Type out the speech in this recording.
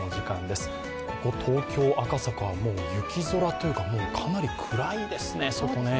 ここ、東京・赤坂は雪空というか、もうかなり暗いですね、外ね。